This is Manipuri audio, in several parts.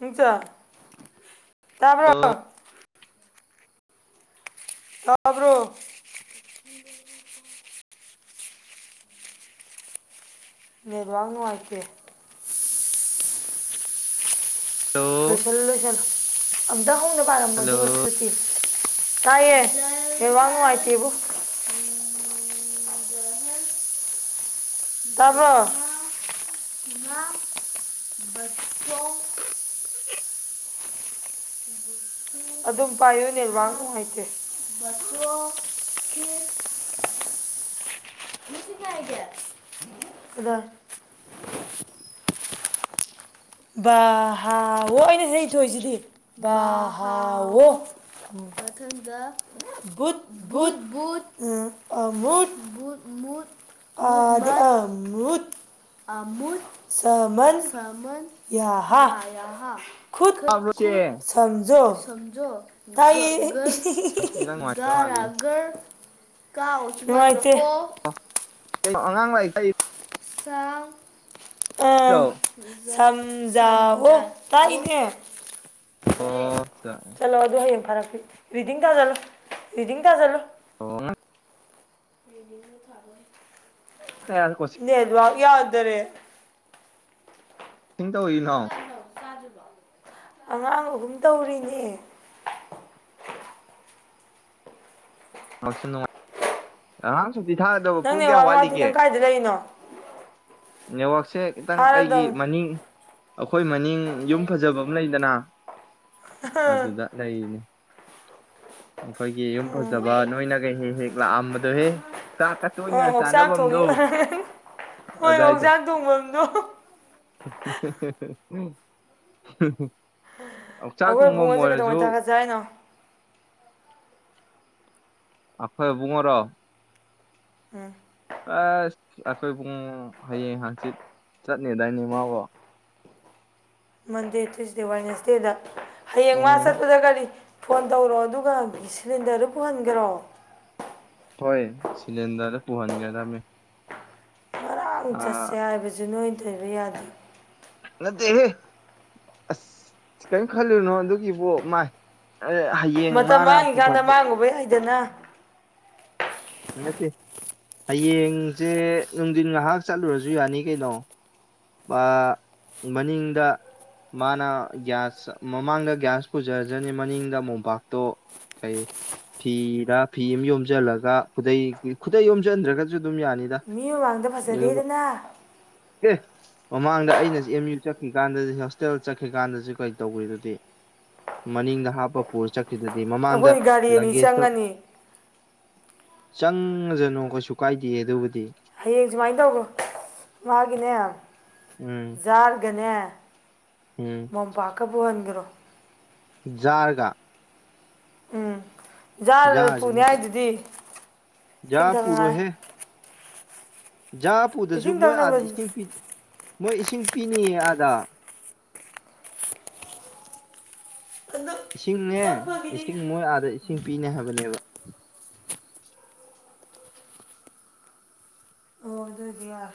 ꯍꯆꯥ [unintelligible] ꯍꯜꯂꯣ ꯇꯥꯕ꯭ꯔꯣ ꯇꯥꯕ꯭ꯔꯣ ꯅꯦꯠꯋꯥꯛ ꯅꯨꯉꯥꯏꯇꯦ ꯍꯜꯂꯣ ꯂꯣꯏꯁꯜꯂꯣ ꯂꯣꯏꯁꯜꯂꯣ ꯑꯝꯇ ꯍꯧꯅ ꯄꯥꯔꯝꯃꯣ ꯍꯜꯂꯣ ꯑꯗꯨꯒ ꯁꯨꯇꯤ ꯇꯥꯏꯌꯦ ꯅꯦꯠꯋꯥꯛ ꯅꯨꯉꯥꯏꯇꯦꯕꯣ ꯇꯥꯕ꯭ꯔꯣ [unintelligible] ꯑꯗꯨꯝ ꯄꯥꯏꯌꯨꯅꯦ ꯅꯦꯠꯋꯥꯛ ꯅꯨꯡꯉꯥꯏꯇꯦ [unintelligible] ꯚ-ꯍ [unintelligible] ꯂ‌ꯣꯏꯅ ꯍꯩ ꯏꯊꯣꯏꯁꯤꯗꯤ ꯕꯥ ꯍꯥꯎꯋꯦ ꯃꯊꯪꯗꯥ ꯒꯨꯠ ꯒꯨꯠ [unintelligible] ꯕꯨꯠ ꯕꯨꯠ ꯑꯗ ꯑꯝꯔꯨꯠ ꯁꯥꯃꯟ ꯌꯥꯍꯥ ꯌꯥꯍꯥ ꯈꯨꯨꯠ ꯈꯨ ꯇꯥꯕ꯭ꯔꯣ ꯈꯨꯨꯗ ꯆꯦ ꯁꯖꯣꯁ ꯁꯝꯖꯣ ꯇꯥꯏꯌꯦ ꯏꯁ ꯑ ꯍ ꯍ ꯈꯤꯇꯪ ꯍ ꯅꯨꯡꯉꯥꯏꯇ ꯒ-ꯔ ꯃꯥꯜꯂꯤꯅꯦ ꯒꯔ ꯀꯥꯎ ꯋꯥꯏ ꯀꯦ-ꯕꯣ ꯑꯣ ꯀꯩꯅꯣ ꯑꯉꯥꯡ ꯂꯥꯏꯔꯤꯛ ꯇꯥꯛꯏ ꯆꯥꯎ ꯑꯥ ꯇꯥꯛꯏꯔꯣ ꯁꯖꯥꯎꯑꯣ ꯇꯥꯛꯏꯅꯦ ꯑꯣ ꯁꯤꯗ ꯔꯤꯗꯤꯡ ꯊꯥꯖꯜꯂꯣ ꯔꯤꯗꯤꯡ ꯊꯥꯖꯜꯂꯣ ꯑꯣ-ꯉ ꯔꯗꯤꯡꯁꯨ ꯊꯥꯗꯣꯏ ꯀꯔꯥꯏꯗꯩ ꯀꯣꯆꯤꯡ ꯌꯥꯗꯔꯦ ꯍꯤꯡ ꯇꯧꯋꯤ ꯂꯥꯎ ꯆꯥꯗ꯭ꯔꯤꯕꯣ ꯑꯉꯥꯡ ꯑꯍꯨꯝ ꯇꯧꯔꯤꯅꯦ ꯅꯦꯠꯋꯥꯛꯁꯨ ꯅꯨꯉꯥꯏ ꯍꯥꯡ ꯅꯪ ꯅꯦꯠꯋꯥꯛ ꯅꯨꯉꯥꯏꯇꯦ ꯅꯪ ꯀꯥꯏꯗ ꯂꯩꯔꯤꯅꯣ ꯅꯦꯠꯋꯥꯛ ꯁꯦ ꯈꯤꯇꯪ ꯑꯩꯒꯤ ꯊꯥꯔꯗꯪ ꯃꯅꯤꯡ ꯑꯩꯈꯣꯏ ꯃꯅꯤꯡ ꯌꯨꯝ ꯐꯖꯕ ꯑꯃ ꯂꯩ ꯗꯅ ꯑꯗꯨꯗ ꯂꯩꯔꯤꯅꯤ ꯑꯩꯈꯣꯏꯒꯤ ꯌꯨꯝ ꯐꯖꯕ ꯅꯣꯏꯅꯒ ꯍꯦꯛ-ꯍꯦꯛ ꯂꯥꯛꯑꯝꯕꯗꯨ ꯍꯦ ꯑꯣ ꯆꯥꯛ ꯊꯣꯡꯏ ꯑꯣꯏꯔꯝꯒꯅꯤ ꯍꯣꯏ ꯑꯗꯥꯏꯗꯣ ꯑꯣꯛꯆꯥꯡ ꯊꯣꯡꯐꯝꯗꯣ ꯍ ꯑꯥ ꯍ ꯍ ꯑꯩꯈꯣꯏ ꯑꯕꯨꯡꯉꯣꯁꯦ ꯀꯩꯗꯧꯉꯩ ꯊꯥꯒꯠꯁꯦ ꯍꯥꯏꯅꯣ ꯑꯩꯈꯣꯏ ꯑꯕꯨꯡꯉꯣꯔꯣ ꯎꯝ ꯑꯁ ꯑꯩꯈꯣꯏ ꯄꯨꯡ ꯍꯌꯦꯡ ꯍꯥꯡꯆꯤꯠ ꯆꯠꯅꯦꯗꯥꯏꯅꯦ ꯃꯥꯕꯣ ꯃꯟꯗꯦ ꯇ꯭ꯌꯨꯁꯗꯦ ꯋꯥꯏꯅꯦꯁꯗꯦꯗ ꯍꯌꯦꯡ ꯃꯥ ꯎꯝ ꯆꯠꯄꯗ ꯀꯔꯤ ꯐꯣꯟ ꯇꯧꯔꯣ ꯑꯗꯨꯒ ꯑꯪ ꯁꯤꯂꯤꯟꯗꯔꯗꯨ ꯄꯨꯍꯟꯒꯔꯣ ꯍꯣꯏꯌꯦ ꯁꯤꯂꯤꯟꯗꯔꯗꯨ ꯄꯨꯍꯟꯒ꯭ꯔꯗꯝꯃꯤ ꯍꯣꯏ ꯆꯠꯁꯦ ꯍꯥꯏꯕꯁꯦ ꯅꯣꯏ- ꯗꯦꯕ ꯌꯥꯗꯦ ꯅꯠꯇꯦꯍꯦ ꯑꯁ ꯀꯔꯤꯝ ꯈꯜꯂꯨꯅꯣ ꯑꯗꯨꯒꯤꯕꯨ ꯃꯥꯏ ꯑꯦ ꯍꯌꯦꯡ ꯃꯇꯝ ꯃꯥꯅ ꯃꯥꯡꯉꯤꯀꯥꯟꯗ ꯄꯨꯈꯠꯄ ꯃꯥꯡꯉꯨꯕ ꯌꯥꯏꯗꯅ ꯅꯠꯇꯦ ꯍꯌꯦꯡꯁꯦ ꯅꯨꯡꯗꯤꯟ ꯉꯥꯍꯥꯛ ꯆꯠꯂꯨꯔꯁꯨ ꯌꯥꯅꯤ ꯀꯩꯅꯣ ꯃꯥ ꯃꯅꯤꯡꯗ ꯃꯥꯅ ꯒ꯭ꯌꯥꯁ ꯃꯃꯥꯡꯗ ꯒ꯭ꯌꯥꯁ ꯄꯨꯖꯔꯖꯅꯤ ꯃꯅꯤꯡꯗ ꯃꯣꯝꯄꯥꯛꯇꯣ ꯀꯩ ꯐꯤꯔꯥ ꯐꯤ ꯑꯃ ꯌꯣꯝꯖꯜꯂꯒ ꯈꯨꯗꯩ ꯈꯨꯗꯩ ꯌꯣꯝꯖꯟꯗ꯭ꯔꯒꯖꯨ ꯑꯗꯨꯝ ꯌꯥꯅꯤꯗ ꯃꯤ ꯃꯃꯥꯡꯗ ꯑꯗꯨꯒ ꯐꯖꯗꯦꯗꯅ ꯑꯦ ꯃꯃꯥꯡꯗ ꯑꯩꯅ ꯑꯦꯝ ꯌꯨ ꯆꯠꯈꯤꯀꯥꯟꯗꯖꯨ ꯍꯣꯁꯇꯦꯜ ꯆꯠꯈꯤꯀꯥꯟꯗꯖꯨ ꯀꯩ ꯇꯧꯒ꯭ꯔꯤꯗꯨꯗꯤ ꯃꯅꯤꯡꯗ ꯍꯥꯞꯄ ꯄꯨꯔ ꯆꯠ- ꯑꯩꯈꯣꯏ ꯒꯥꯔꯤ ꯑꯅꯤ ꯆꯪꯉꯅꯤ ꯆꯪꯉꯖꯅꯨ ꯀꯩꯁꯨ ꯀꯥꯏꯗꯤꯌꯦ ꯑꯗꯨꯕꯨꯗꯤ ꯍꯌꯦꯡ ꯁꯨꯃꯥꯏꯅ ꯇꯧꯔꯣ ꯃꯥꯒꯤꯅꯦ ꯎꯝ ꯖꯥꯔ ꯒꯅꯦ ꯃꯣꯝꯄꯥꯛꯀ ꯄꯨꯍꯟ- ꯄꯨꯟꯒꯔꯣ ꯖꯥꯔ ꯒꯥ ꯎꯝ ꯖꯥꯔ ꯄꯨꯅꯤ ꯖꯥꯔꯁꯤꯅ ꯍꯥꯏꯗꯨꯗꯤ ꯏꯁꯤꯡ ꯖꯥꯔ ꯊꯛꯅꯉꯥꯏ ꯄꯨꯔꯣꯏꯍꯦ ꯖꯥꯔ ꯄꯨꯗꯁꯨ ꯏꯁꯤꯡ ꯃꯣꯏ ꯊꯛꯅꯕ ꯑꯥꯗ ꯏꯁꯤꯡ ꯄꯤ- ꯃꯣꯏ ꯏꯁꯤꯡ ꯄꯤꯅꯤꯌꯦ ꯑꯥꯗꯥ ꯏꯁꯤꯡꯅꯦ ꯏꯁꯤꯡ ꯃꯣꯏ ꯑꯥꯗ- ꯏꯁꯤꯡ ꯄꯤꯅꯦ ꯍꯥꯏꯕꯅꯦꯕ ꯗꯨꯌꯥꯔ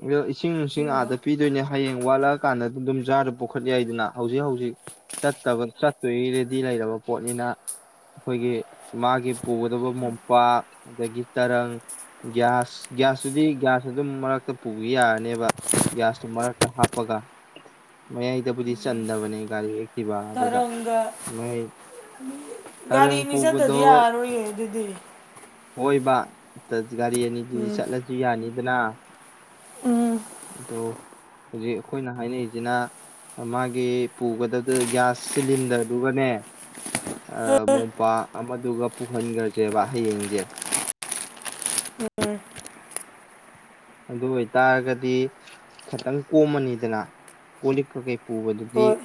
ꯎꯝ ꯑꯗꯣ ꯏꯁꯤꯡ ꯅꯨꯡꯁꯤꯡ ꯏꯁꯤꯡꯗꯣ ꯑꯥꯗ ꯄꯤꯗꯣꯏꯅꯦ ꯍꯌꯦꯡ ꯋꯥꯠꯂꯛ- ꯆꯠ ꯀꯥꯟꯗ ꯑꯗꯨꯝ ꯗꯨꯝ ꯖꯥꯔꯗꯣ ꯄꯨꯈꯠ ꯌꯥꯏꯗꯅ ꯍꯧꯖꯤꯛ ꯍꯧꯖꯤꯛ ꯆꯠꯇꯕ ꯆꯠꯇꯣꯏꯒꯤ ꯔꯦꯗꯤ ꯂꯩꯔꯕ ꯄꯣꯠꯅꯤꯅ ꯑꯩꯈꯣꯏꯒꯤ ꯃꯥꯒꯤ ꯄꯨꯒꯗꯕ ꯃꯣꯝꯄꯥꯛ ꯑꯗꯒꯤ ꯇꯔꯪ ꯒ꯭ꯌꯥꯁ ꯒ꯭ꯌꯥꯁꯇꯨꯗꯤ ꯒ꯭ꯌꯥꯁ ꯑꯗꯨꯝ ꯃꯔꯛꯇ ꯄꯨꯕ ꯌꯥꯔꯅꯦꯕ ꯒ꯭ꯌꯥꯁꯇꯨ ꯃꯔꯛꯇ ꯍꯥꯞꯄꯒ ꯃꯌꯥꯏꯗꯕꯨꯗꯤ ꯆꯟꯗꯕꯅꯦ ꯒꯥꯔꯤ ꯇꯤꯕ ꯑꯗꯨꯗ ꯇꯔꯪꯒ ꯃꯍꯩ ꯒꯥꯔꯤꯅꯤ ꯆꯠꯇꯗꯤ ꯌꯥꯔꯔꯣꯏꯌꯦ ꯑꯗꯨꯗꯤ ꯍꯣꯏꯕꯥ ꯆꯠꯇ- ꯒꯥꯔꯤ ꯑꯅꯤꯗꯨꯒꯤ- ꯆꯠꯂꯁꯨ ꯌꯥꯅꯤꯗꯅ [inaudible] ꯎꯝ ꯑꯗꯣ ꯍꯧꯖꯤꯛ ꯑꯩꯈꯣꯏꯅ ꯍꯥꯏꯅꯔꯤꯁꯤꯅ ꯃꯥꯒꯤ ꯄꯨꯒꯗꯕꯗ ꯒ꯭ꯌꯥꯁ ꯁꯤꯂꯤꯟꯗꯔꯗꯨꯒꯅꯦ ꯃꯣꯝꯄꯥꯛ ꯑꯃꯗꯨꯒ ꯄꯨꯍꯟꯈ꯭ꯔꯁꯦꯕ ꯍꯌꯦꯡꯁꯦ ꯑꯗꯨ ꯑꯣꯏꯇꯥꯔꯒꯗꯤ ꯈꯤꯇꯪ ꯀꯣꯝꯃꯅꯤꯗꯅ ꯀꯣ ꯂꯤꯛꯀ ꯀꯩ ꯄꯨꯕꯗꯨꯗꯤ ꯍꯣꯏ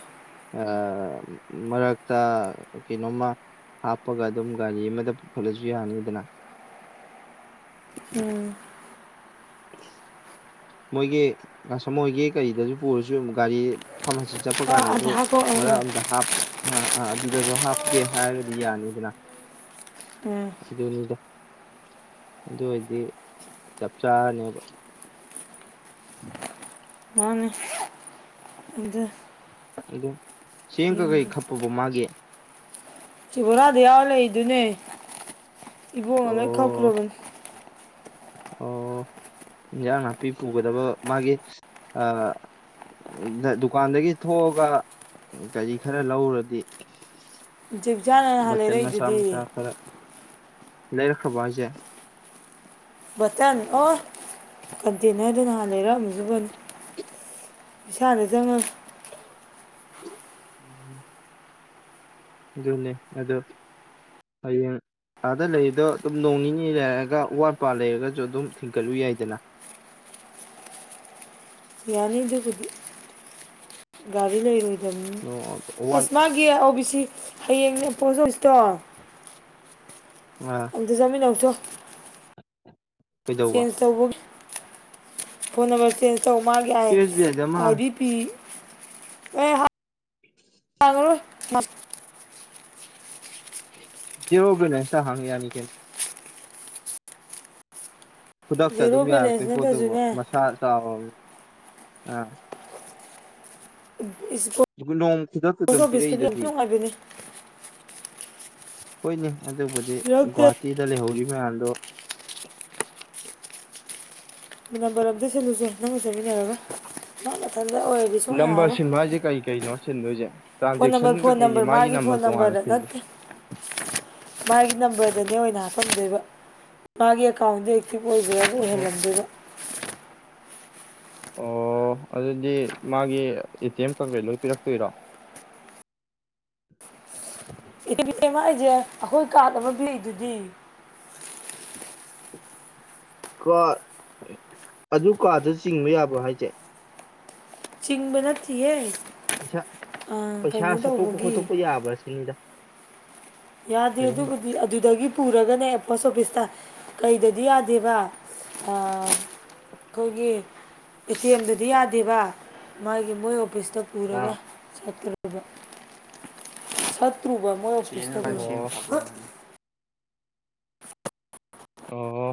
ꯑ ꯃꯔꯛꯇ ꯀꯩꯅꯣꯝꯃ ꯍꯥꯞꯄꯒ ꯑꯗꯨꯝ ꯒꯥꯔꯤ ꯑꯃꯗ ꯄꯨꯈꯠꯂꯁꯨ ꯌꯥꯅꯤꯗꯅ ꯎꯝ ꯃꯣꯏꯒꯤ ꯑꯁ ꯃꯣꯏꯒꯤ ꯀꯔꯤꯗꯁꯨ ꯄꯨꯔꯁꯨ ꯒꯥꯔꯤ ꯐꯥꯔꯝ ꯑꯁꯤ ꯆꯠꯄ ꯑꯥ ꯀꯥꯟꯗꯁꯨ ꯑꯗꯥ ꯀꯣ ꯑꯥ ꯑꯥ ꯃꯔꯛ ꯑꯗ ꯍꯥꯞꯄ ꯑꯥ ꯑꯥ ꯑꯗꯨꯗꯁꯨ ꯍꯥꯞꯀꯦ ꯍꯥꯏꯔꯗꯤ ꯌꯥꯅꯤꯗꯅ ꯎꯝ ꯑꯗꯨꯅꯤꯗ ꯑꯗꯨ ꯑꯣꯏꯗꯤ ꯆꯞ ꯆꯥꯔꯅꯦꯕ ꯃꯥꯅꯦ ꯑꯗ ꯑꯗꯨꯣ ꯁꯦꯡ ꯀ ꯀꯩ ꯌꯦꯡꯒꯦ ꯈꯞꯄꯕ ꯃꯥꯒꯦ ꯁꯤꯕꯣꯔꯥꯗ ꯌꯥꯎꯔ ꯂꯩꯗꯨꯅꯦ ꯏꯕ ꯉ ꯑꯣ ꯀꯥꯎꯈ꯭ꯔꯕꯦꯟ ꯑꯣ ꯏꯟꯖꯥꯡ ꯅꯥꯄꯤ ꯄꯨꯒꯗꯕ ꯃꯥꯒꯤ ꯗꯨꯀꯥꯟꯗꯒꯤ ꯊꯣꯛꯑꯒ ꯀꯔꯤ ꯈꯔ ꯂꯧꯔꯗꯤ ꯖꯤꯕꯤꯆꯥꯅ ꯅꯍꯥꯟ ꯂꯩꯔꯛꯏꯗꯨꯗꯤ ꯂꯩꯔꯈ꯭ꯔꯔꯕ ꯍꯥꯏꯖꯦ ꯕꯇꯟ ꯑꯣ ꯀꯟꯇꯅꯔꯗꯨꯅ ꯂꯩꯔꯛ ꯑꯝꯃꯁꯨ ꯐꯥꯅꯤ ꯏꯁꯅꯥ ꯂꯩꯖꯕ ꯎꯝ ꯑꯗꯨꯅꯦ ꯑ ꯍꯌꯦꯡ ꯑꯥꯗ ꯂꯩꯔꯤꯗꯣ ꯑꯗꯨꯝ ꯅꯣꯡ ꯅꯤꯅꯤ ꯂꯩꯔꯑꯒ ꯑꯋꯥꯠꯄ ꯂꯩꯔꯒꯁꯨ ꯑꯗꯨꯝ ꯊꯤꯟꯒꯠꯂꯨ ꯌꯥꯏꯗꯅ ꯌꯥꯅꯤ ꯏꯗꯤ ꯒꯥꯔꯤ ꯂꯩꯔ ꯑꯗꯨꯝ ꯋꯥꯠ ꯑꯁꯃꯒꯤ ꯌꯦ ꯑꯣꯕꯤ ꯁꯤ ꯍꯌꯦꯡꯅꯦ ꯄꯣꯠꯆꯣꯏꯁꯤꯇꯣ ꯑ ꯑꯗꯖꯃꯤꯅꯎꯊꯣ ꯀꯩꯗꯧꯕ ꯆꯦꯟꯖ ꯇꯧꯕ ꯐꯣꯟ ꯅꯝꯕꯔ ꯆ ꯆꯥꯝꯃꯉꯥꯒꯤ ꯁꯤ ꯑꯥꯏ ꯑꯦꯁ ꯕꯤ ꯑꯥꯏꯗ ꯑꯃ ꯑꯥꯏ ꯍꯥꯡ ꯕꯤ ꯄꯤ ꯑꯦꯍ ꯍꯦꯔꯣ ꯕꯦꯂꯥꯟꯁ ꯇꯥ ꯍꯥꯡꯕꯌꯥꯅꯤ ꯀꯩꯅꯣ ꯈꯨꯗꯛꯇ ꯑꯗꯨꯝ ꯖꯦꯔꯣ ꯕꯦꯂꯦꯟꯁ ꯌꯥꯔꯛꯇꯣꯏ ꯄꯣꯠꯇꯨꯕꯣ ꯅꯠꯇ꯭ꯔꯁꯨꯅꯦ ꯃꯁꯥ ꯆꯥꯎꯔ ꯑꯥ ꯅꯣꯡ ꯈꯨꯗꯛꯇ ꯑꯗꯨꯝ ꯎꯝ ꯜ ꯕꯤꯁꯀꯤꯦꯠ ꯑꯝꯇ ꯄꯤꯔꯛꯏꯗꯨꯗꯤ ꯅꯨꯡꯉꯥꯏꯒꯅꯤ ꯍꯣꯏꯅꯦ ꯑꯗꯨꯕꯨꯗꯤ ꯄꯤꯔꯛꯇꯦ ꯒꯣꯍꯥꯇꯤꯗ ꯂꯩꯍꯧꯔꯤꯕ ꯃꯌꯥꯝꯗꯣ ꯃꯤ ꯅꯝꯕꯔ ꯁꯤꯜꯂꯨꯁꯦ ꯅꯪ ꯆꯠꯃꯤꯟꯅꯔꯒꯥ ꯅꯝꯕꯔ ꯁꯤꯟꯚ ꯍꯥꯏꯁꯦ ꯀꯩ ꯀꯩꯅꯣ ꯁꯤꯟꯗꯣꯏꯁꯦ ꯐꯣꯟ ꯅꯝꯕꯔ ꯇ꯭ꯔꯥꯟꯖꯦꯛꯁꯟꯒ ꯐꯣꯟ ꯀꯩꯒꯤ ꯅꯝꯕꯔ ꯃꯥꯒꯤ ꯐꯣꯟ ꯅꯝꯕꯔ ꯇꯣꯉꯥꯟꯅ ꯅꯝꯕꯔꯗ ꯁꯤꯟꯗꯣꯏ ꯅꯠꯇꯦ ꯃꯥꯒꯤ ꯅꯝꯕꯔ ꯗꯨꯗꯩꯩ ꯑꯣꯏꯅ ꯍꯥꯞꯄꯝꯗꯣꯏꯕ ꯃꯥꯒꯤ ꯑꯦꯀꯥꯎꯟꯗꯩ ꯁꯤꯕꯨ ꯑꯣꯏꯗꯤꯅꯦ ꯑꯗꯨꯝ ꯑꯣꯏꯍꯜ ꯑꯣ ꯂꯝꯗꯦꯕꯥ ꯑꯣ ꯑꯗꯨꯗꯤ ꯃꯥꯒꯤ ꯑꯦꯇꯤꯑꯦꯝ ꯀꯪꯒꯔꯦ ꯂꯣꯏ ꯄꯤꯔꯛꯇꯣꯏꯔꯣ ꯕꯤ ꯑꯦꯝ ꯑꯥꯔ ꯑꯏꯖꯤꯌꯥꯏ ꯑꯩꯈꯣꯏ ꯀꯥꯔꯠ ꯂꯩꯗꯨꯗꯤ ꯀ ꯑꯗꯨ ꯀꯥꯗ ꯆꯤꯡꯕ ꯌꯥꯕ꯭ꯔꯣ ꯍꯥꯏꯁꯦ ꯆꯤꯡꯕ ꯅꯠꯇꯤꯌꯦ ꯄꯩꯁꯥ ꯑꯥ, ꯄꯩꯁꯥ ꯀꯩꯅꯣ ꯁꯠꯇꯣꯛꯄ ꯇꯧꯕꯒꯤ ꯈꯣꯠꯇꯣꯛꯄ ꯌꯥꯕ꯭ꯔꯥ ꯁꯤꯅꯤꯗ ꯌꯥꯗꯦ ꯀꯔꯤꯒꯨꯝꯕ ꯑꯗꯨꯕꯨꯗꯤ ꯑꯗꯨꯗꯒꯤ ꯄꯨꯔꯒꯅꯦ ꯄꯣꯁ ꯑꯣꯐꯤꯁ ꯇꯥ ꯀꯩꯗꯗꯤ ꯌꯥꯗꯦꯕ ꯈꯣꯏꯒꯤ ꯑꯦꯇꯤꯑꯦꯝ ꯗꯗꯤ ꯌꯥ ꯗꯤꯚ ꯃꯥꯒꯤ ꯃꯣꯏ ꯑꯣꯐꯤꯁꯇ ꯄꯨꯔꯒ ꯑꯥ ꯆꯠꯀꯗ ꯑꯣꯏꯕꯥ ꯐꯠꯇꯔꯤꯕ ꯅꯣꯏ ꯑꯣ [unintelligible] ꯑꯣ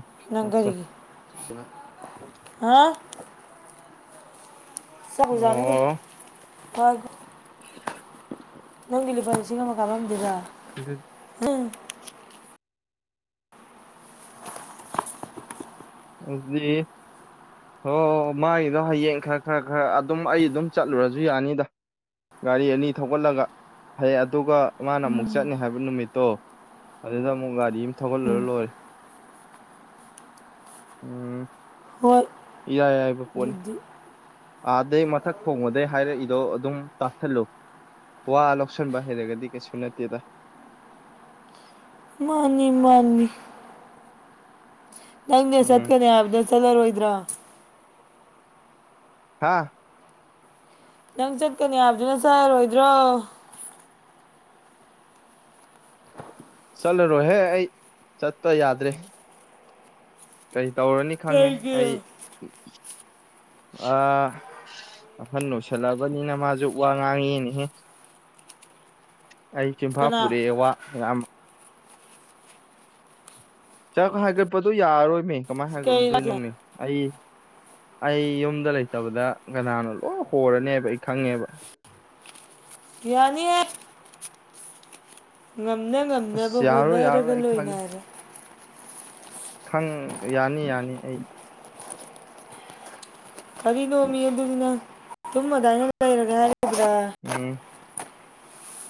ꯑꯠꯆꯥ ꯅꯪꯒꯔꯤꯒꯤ ꯍꯥꯎ ꯆꯥꯛꯕꯨ ꯆꯔꯒꯦ ꯑꯣ ꯄꯥꯎꯒꯥ [inaudible] ꯅꯪꯒꯤ ꯂꯨꯄꯥ ꯂꯤꯁꯤꯡ ꯑꯃ ꯀꯥꯔꯝꯗꯨꯕ [unintelligible] ꯎꯝ ꯑꯗꯨꯗꯤ ꯍꯣꯏ ꯃꯥꯒꯤꯗꯣ ꯍꯌꯦꯡ ꯈꯔ ꯈꯔ ꯈꯔ ꯑꯗꯨꯝ ꯑꯩ ꯑꯗꯨꯝ ꯆꯠꯂꯨꯔꯁꯨ ꯌꯥꯅꯤꯗ ꯒꯥꯔꯤ ꯑꯅꯤ ꯊꯧꯒꯠꯂꯒ ꯍꯌꯦꯡ ꯑꯗꯨꯒ ꯃꯥꯅ ꯑꯃꯨꯛ ꯆꯠꯅꯤ ꯍꯥꯏꯕ ꯅꯨꯃꯤꯠꯇꯣ ꯑꯗꯨꯗ ꯑꯃꯨꯛ ꯒꯥꯔꯤ ꯑꯃ ꯊꯧꯒꯠꯂꯨꯔ ꯂꯣꯏꯔꯦ ꯎꯝ ꯍꯣꯏ ꯏꯌꯥꯏ ꯂꯥꯏꯕ ꯄꯣꯠꯅꯤ ꯑꯗꯨꯗꯤ ꯑꯥꯗꯩ ꯃꯊꯛ ꯊꯣꯡꯕꯗꯩ ꯍꯥꯏꯔꯛꯏꯗꯣ ꯑꯗꯨꯝ ꯇꯥꯥꯁꯤꯜꯂꯨ ꯋꯥ ꯂꯧꯁꯟꯕ ꯍꯩꯔꯒꯗꯤ ꯀꯩꯁꯨ ꯅꯠꯇꯦꯗ ꯃꯥꯅꯤ ꯃꯥꯅꯤ ꯅꯪꯅꯦ ꯎꯝ ꯆꯠꯀꯅꯤ ꯍꯥꯏꯕꯗꯣ ꯆꯠꯂꯔꯣꯏꯗ꯭ꯔꯣ ꯍꯥꯥ ꯅꯪ ꯆꯠꯀꯅꯤ ꯍꯥꯏꯕꯗꯨꯅ ꯆꯔꯣꯏꯗ꯭ꯔꯣ ꯆꯠꯂꯨꯔꯣꯍꯦ ꯑꯩ ꯆꯠꯇ ꯌꯥꯗ꯭ꯔꯦ ꯀꯩ ꯇꯧꯔꯅꯤ ꯈꯪꯉꯦ ꯑꯩ ꯀꯩꯒꯤ ꯑ ꯑꯍꯟ ꯑꯣꯏꯁꯤꯜꯂꯑꯕꯅꯤꯅ ꯃꯥꯁꯨ ꯋꯥ ꯉꯥꯡꯉꯤꯅꯦꯍꯦ ꯑꯩ ꯆꯨꯝꯐꯥ ꯀꯅꯥ ꯄꯨꯔꯛꯑꯦ ꯋꯥ ꯉꯥꯡꯕ ꯆꯥꯛ ꯍꯥꯏꯒꯠꯄꯗꯣ ꯌꯥꯔꯣꯏꯃꯦ ꯀꯃꯥꯏ ꯀꯩ ꯍꯥꯏꯒꯠꯂꯨꯗꯣꯏ ꯅꯣꯃꯤ ꯑꯩ ꯑꯩ ꯌꯨꯝꯗ ꯂꯩꯇꯕꯗ ꯀꯅꯥꯅꯣ ꯂꯣꯏ ꯍꯣꯔꯅꯦꯕ ꯑꯩ ꯈꯪꯉꯦꯕ ꯌꯥꯅꯤꯌꯦ ꯉꯝꯅ ꯉꯝꯅꯕ ꯑꯁ ꯌꯥꯔꯣꯏ ꯌꯥꯔꯣꯏ ꯍꯣꯠꯅꯔꯒ ꯑꯩ ꯈꯪꯉꯦ ꯂꯣꯏꯅꯔꯦ ꯈꯪ ꯌꯥꯅꯤ ꯌꯥꯅꯤ ꯑꯩ ꯀꯔꯤꯅꯣꯝꯃꯤ ꯑꯗꯨꯒꯤꯅꯦ ꯆꯨꯝ ꯑꯗꯨꯗꯥꯏꯅ ꯂꯩꯔꯒꯦ ꯍꯥꯏꯔꯦ ꯀꯩꯗꯧꯔꯦ ꯎꯝ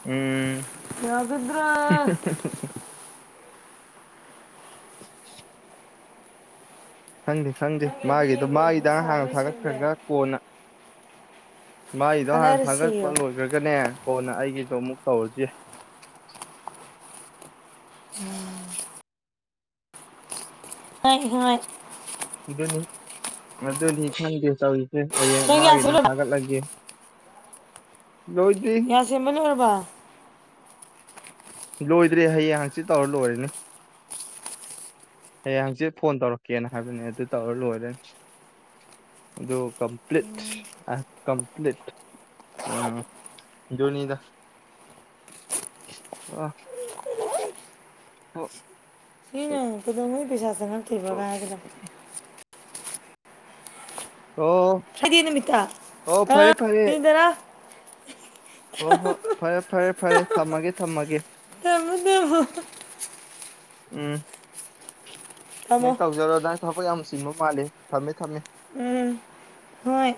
ꯎꯝ ꯌꯥꯒꯗ꯭ꯔ [inaudible] ꯈꯪꯗꯦ ꯈꯪꯗꯦ ꯅꯪꯒꯤ ꯑꯗꯨ ꯃꯥꯒꯤꯗꫭ ꯃꯥꯒꯤ ꯌꯦꯡꯒꯣꯟꯗꯨ ꯍꯤꯗꯥꯛ ꯁꯥꯕ ꯍꯥꯟꯅ ꯂꯣꯏꯁꯟꯗꯦ ꯊꯥꯒꯠꯈ꯭ꯔꯒ ꯀꯣꯟꯅ ꯃꯥꯏꯗꯣ ꯍꯥꯟꯅ ꯊꯥꯡꯒꯠꯄ ꯈꯟꯅꯔꯁꯤꯌꯣ ꯂꯣꯏꯈ꯭ꯔꯒꯅꯦ ꯀꯣꯟꯅ ꯑꯩ ꯑꯩꯒꯤꯗꫭ ꯑꯃꯨꯛ ꯇꯧꯔꯖꯨ ꯌꯥꯏ ꯍꯣꯏ ꯍꯣꯏ ꯁꯤꯗꯅꯤ ꯃꯗꯨꯗꯤ ꯈꯥꯟꯗꯦ ꯍꯌꯦꯡ ꯅꯪ ꯌꯥ ꯃꯥꯒꯤꯗ ꯁꯦꯝꯂꯣꯏꯔꯕ ꯊꯥꯒꯠꯂꯒꯦ ꯂꯣꯏꯗ꯭ꯔꯤ ꯌꯥ ꯁꯦꯝꯕ ꯂꫭꯏꯔꯕ ꯂꯣꯏꯗ꯭ꯔꯦ ꯍꯌꯦꯡ ꯍꯪꯆꯤꯠ ꯇꯧꯔ ꯂꯣꯏꯔꯅꯤ ꯍꯌꯦꯡ ꯍꯪꯆꯤꯠ ꯐꯣꯟ ꯇꯧꯔꯛꯀꯦꯅ ꯍꯥꯏꯕꯅꯦ ꯑꯗꯨ ꯇꯧꯔ ꯂꯣꯏꯔꯅꯤ ꯑꯗꯨ ꯀꯝꯄ꯭ꯂꯤꯠ ꯀꯝꯄ꯭ꯂꯤꯠ ꯎ ꯑꯗꯨꯅꯤꯗ ꯑ ꯁꯤꯅ [unintelligible] ꯄꯩꯁꯥ ꯆꯡꯉꯛ ꯇꯤꯕꯒ ꯍꯥꯏꯒꯗꯃꯤ ꯑꯣ ꯍꯖꯤ ꯅꯨꯃꯤꯇꯥ ꯑꯣ ꯑ ꯏꯟꯗꯔ ꯍꫭ ꯍꯣ ꯐꯔꯦ ꯐꯔꯦ ꯐꯔꯦ ꯊꯝꯃꯒꯦ ꯊꯝꯃꯒꯦ ꯎꯝ ꯅꯪ ꯇꯥꯎꯖꯔꯗ ꯊꯕꯛ ꯌꯥꯝ ꯆꯤꯡꯕ ꯃꯥꯜꯂꯤ ꯊꯝꯃꯦ ꯊꯝꯃꯦ ꯎꯝ ꯍꯣꯏ